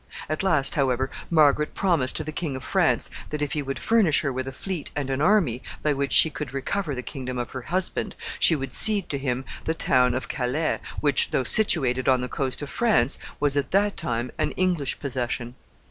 At last, however, Margaret promised to the King of France that if he would furnish her with a fleet and an army, by which she could recover the kingdom of her husband, she would cede to him the town of Calais, which, though situated on the coast of France, was at that time an English possession.